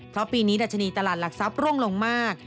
เพราะปีนี้ดัชนีตลาดหลักทรัพย์ร่วงลงมาก